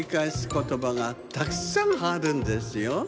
ことばがたくさんあるんですよ。